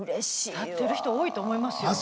立ってる人多いと思いますよ。